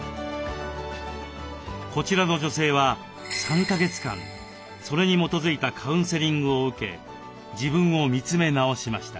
こちらの女性は３か月間それに基づいたカウンセリングを受け自分を見つめ直しました。